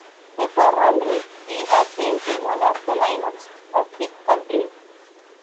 Before Runrig, he had been in one of the lineups of Big Country.